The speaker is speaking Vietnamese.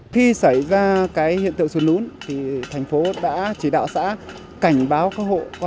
khi xảy ra cái hiện tượng xuất nún thì thành phố đã chỉ đạo xã cảnh báo các hộ